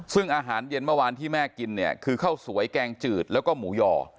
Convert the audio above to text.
ซึ่งอาหารเย็นเมื่อวานที่แม่กินเนี่ยคือข้าวสวยแกงจืดแล้วก็หมูย่อ